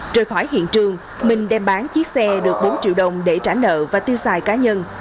trời khỏi hiện trường minh đem bán chiếc xe được bốn triệu đồng để trả nợ và tiêu xài cá nhân